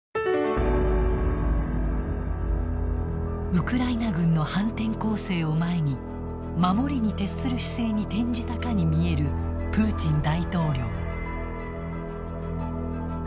ウクライナ軍の反転攻勢を前に守りに徹する姿勢に転じたかに見えるプーチン大統領。